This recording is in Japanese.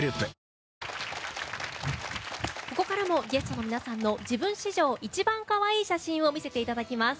ここからもゲストの皆さんの自分史上一番かわいい写真を見せていただきます。